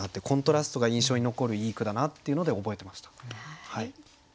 コントラストが印象に残るいい句だなっていうので覚えてました。